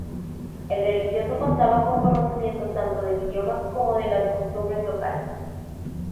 El religioso contaba con conocimiento tanto del idioma como de las costumbres locales.